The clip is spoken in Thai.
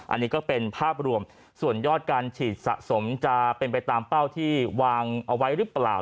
อันนี้ก็เป็นภาพรวมส่วนยอดการฉีดสะสมจะเป็นไปตามเป้าที่วางเอาไว้หรือเปล่า